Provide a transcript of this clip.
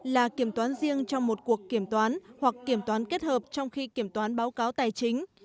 là kiểm toán riêng trong một cuộc kiểm toán hoặc kiểm toán kết hợp trong khi kiểm toán báo cáo tài chính